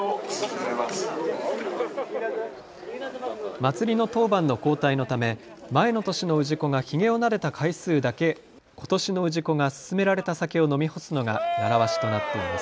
祭の当番の交代のため前の年の氏子がひげをなでた回数だけことしの氏子が勧められた酒を飲み干すのが習わしとなっています。